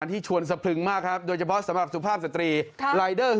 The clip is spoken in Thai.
ที่ชวนสะพึงมากนะครับโดยเฉพาะสมบัติธุงภาพสตรี